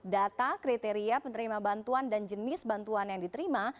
data kriteria penerima bantuan dan jenis bantuan yang diterima